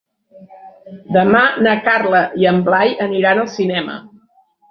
Demà na Carla i en Blai aniran al cinema.